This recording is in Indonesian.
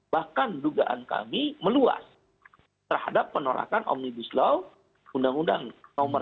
bahkan dugaan kami meluas terhadap penolakan omnibus law undang undang nomor tiga